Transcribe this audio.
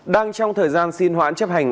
đang trong thời gian xin hoãn chấp hành